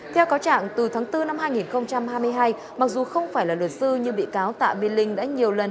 theo cáo trạng từ tháng bốn năm hai nghìn hai mươi hai mặc dù không phải là luật sư nhưng bị cáo tạ miên linh đã nhiều lần